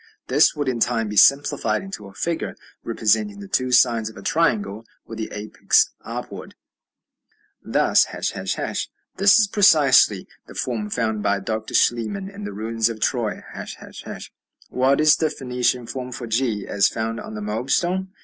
This would in time be simplified into a figure representing the two sides of a triangle with the apex upward, thus, ###. This is precisely the form found by Dr. Schliemann in the ruins of Troy, ###. What is the Phoenician form for g as found on the Moab stone?